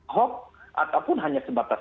hoax ataupun hanya sebatas